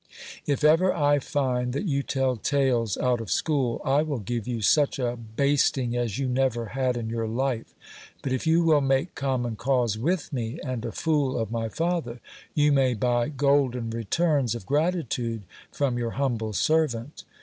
If ever I find that you tell tales out of school, I will give you such a basting as you never had in your life ; but if you will make common cause with me, and a fool of my father, you may buy golden returns of gratitude from your humble servant.